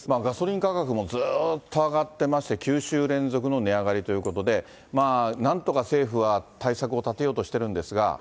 ガソリン価格もずっと上がってまして、９週連続の値上がりということで、なんとか政府は対策を立てようとしているんですが。